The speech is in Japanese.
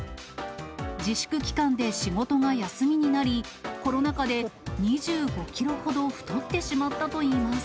自粛期間で仕事が休みになり、コロナ禍で２５キロほど太ってしまったといいます。